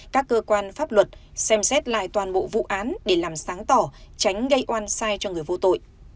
các cơ quan pháp luật xem xét lại toàn bộ vụ án để làm sáng tỏ tránh gây oan sai cho người vô tội